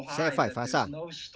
sẽ phải phá sản